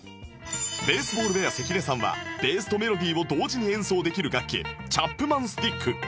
ＢａｓｅＢａｌｌＢｅａｒ 関根さんはベースとメロディを同時に演奏できる楽器チャップマン・スティック